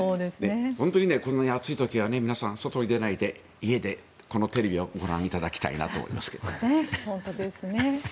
本当にこんなに暑い時は皆さん外に出ないで家でテレビをご覧いただきたいと本当ですね。